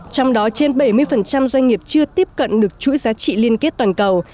trong đó trên bảy mươi doanh nghiệp chưa tiếp cận được chuỗi giá trị liên kết toàn cầu